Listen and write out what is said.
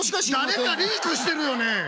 誰かリークしてるよね？